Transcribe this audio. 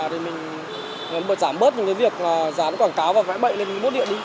thì mình giảm bớt những việc dán quảng cáo và phải bậy lên bốt điện đi